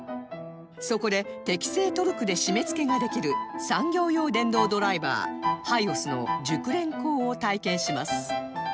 そこで適正トルクで締めつけができる産業用電動ドライバーハイオスの熟練工を体験します